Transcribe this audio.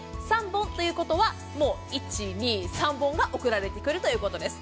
３本ということは１、２、３本は送られてくるということです。